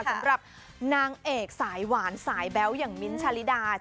สำหรับนางเอกสายหวานสายแบ๊วอย่างมิ้นท์ชาลิดา